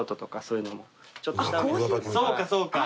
そうかそうか。